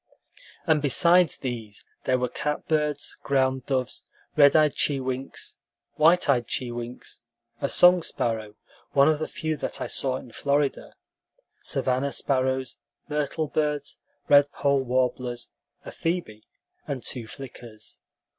And besides these there were catbirds, ground doves, red eyed chewinks, white eyed chewinks, a song sparrow (one of the few that I saw in Florida), savanna sparrows, myrtle birds, redpoll warblers, a phoebe, and two flickers.